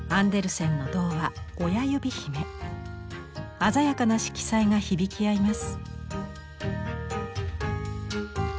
鮮やかな色彩が響き合います。